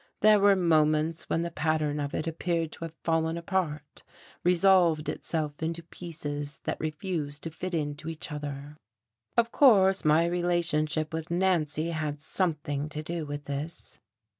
There were moments when the pattern of it appeared to have fallen apart, resolved itself into pieces that refused to fit into each other. Of course my relationship with Nancy had something to do with this....